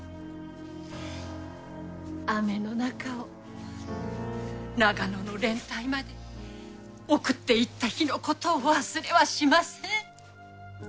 雨の中を長野の連隊まで送っていった日のことを忘れはしません。